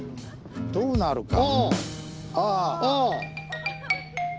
どうなるか。